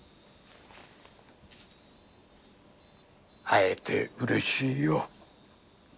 会えてうれしいよ。